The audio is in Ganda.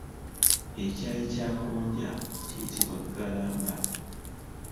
Ekyayi kya gonja kiyitibwa ggalamba.